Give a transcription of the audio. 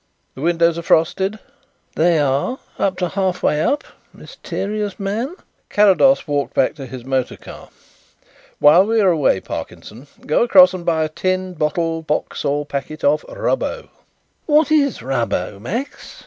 "The windows are frosted?" "They are, to half way up, mysterious man." Carrados walked back to his motor car. "While we are away, Parkinson, go across and buy a tin, bottle, box or packet of 'Rubbo.'" "What is 'Rubbo,' Max?"